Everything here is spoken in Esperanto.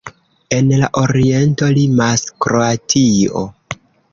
En la oriento limas Kroatio.